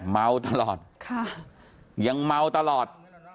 เมาตลอดยังเมาตลอด